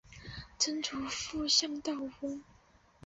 曾祖父向道隆。